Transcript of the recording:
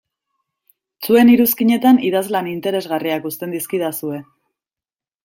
Zuen iruzkinetan idazlan interesgarriak uzten dizkidazue.